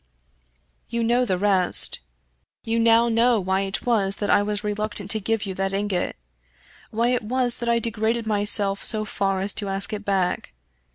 " You know the rest. You now know why it was that I was reluctant to give you that ingot — why it was that I degraded myself so far as to ask it back.